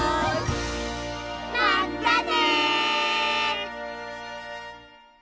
まったね！